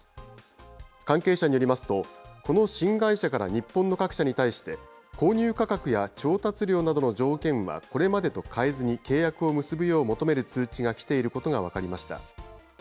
関係者によりますと、この新会社から日本の各社に対して、購入価格や調達量などの条件はこれまでと変えずに契約を結ぶよう求める通知が来ていることが分かりました。